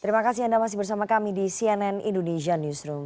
terima kasih anda masih bersama kami di cnn indonesia newsroom